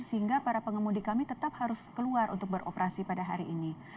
sehingga para pengemudi kami tetap harus keluar untuk beroperasi pada hari ini